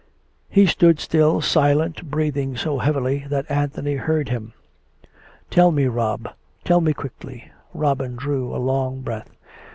He stood still, silent, breathing so heavily that Anthony heard him. " Tell me, Rob ; tell me quickly." Robin drew a long breath.